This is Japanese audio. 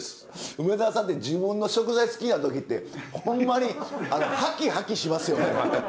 梅沢さんって自分の食材好きな時ってほんまにハキハキしますよね。